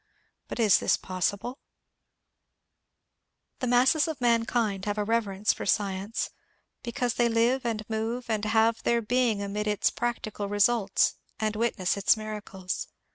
But is this possible ? The masses of mankind have a reverence for science be cause they live and move and have their being amid its prac tical results and witness its miracles.